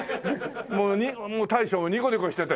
もう大将ニコニコしてて。